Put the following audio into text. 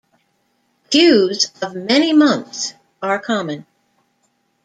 Queues of many months are common.